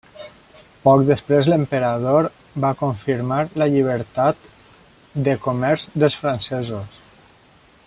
Poc després l'emperador va confirmar la llibertat de comerç dels francesos.